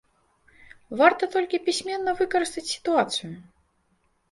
Варта толькі пісьменна выкарыстаць сітуацыю.